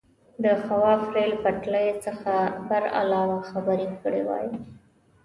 د خواف ریل پټلۍ څخه برعلاوه خبرې کړې وای.